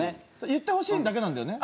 言ってほしいだけなんだよね。